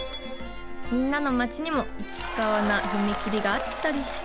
みんなの町にもイチカワなふみきりがあったりして！